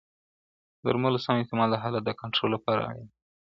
د درملو سم استعمال د حالت د کنټرول لپاره اړین دی.